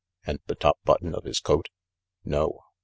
"And the top button of his coat?" "No."